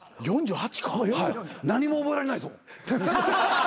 何も覚えられないぞ。